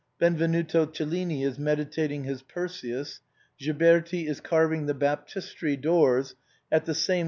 Benvenuto Cellini is meditating his Perseus, Ghiberti is carving the Baptistery doors at the same tim.